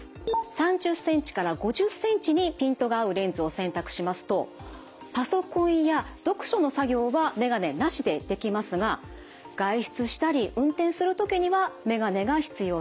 ３０ｃｍから５０ｃｍにピントが合うレンズを選択しますとパソコンや読書の作業は眼鏡なしでできますが外出したり運転する時には眼鏡が必要となります。